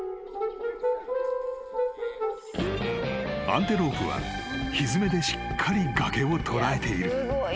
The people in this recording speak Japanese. ［アンテロープはひづめでしっかり崖を捉えている］